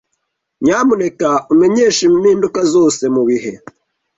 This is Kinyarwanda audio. Nyamuneka umenyeshe impinduka zose mubihe.